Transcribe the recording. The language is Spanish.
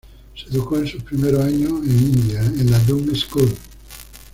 Se educó en sus primeros años en India en la Doon School.